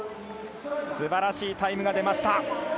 すばらしいタイムが出ました。